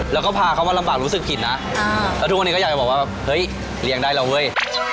แล้วก็พาเขามาลำบากรู้สึกผิดนะแล้วทุกวันนี้ก็อยากจะบอกว่าเฮ้ยเลี้ยงได้แล้วเว้ย